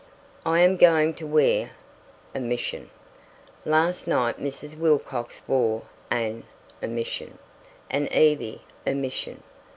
I am going to wear [omission]. Last night Mrs. Wilcox wore an [omission], and Evie [omission].